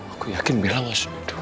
aku yakin bella masih hidup